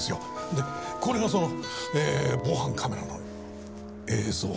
でこれがその防犯カメラの映像ですね。